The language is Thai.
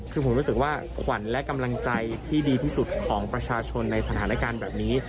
คือผมรู้สึกว่าขวัญและกำลังใจที่ดีที่สุดของประชาชนในสถานการณ์แบบนี้